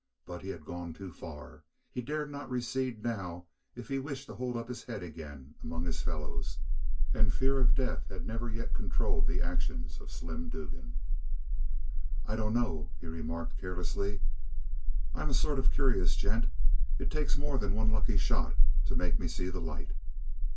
But he had gone too far. He dared not recede now if he wished to hold up his head again among his fellows and fear of death had never yet controlled the actions of Slim Dugan. "I dunno," he remarked carelessly. "I'm a sort of curious gent. It takes more than one lucky shot to make me see the light."